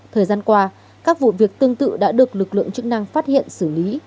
thời gian qua các vụ việc tương tự đã được lực lượng chức năng phát hiện xử lý